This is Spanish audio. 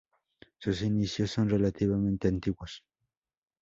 Sus inicios son relativamente antiguos.